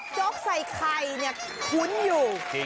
โจ๊กใส่ไข่คุ้นอยู่